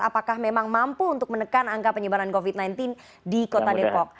apakah memang mampu untuk menekan angka penyebaran covid sembilan belas di kota depok